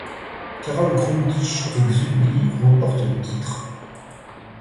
Carole Grundisch et Xue Li remportent le titre.